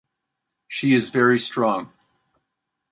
She is very strong.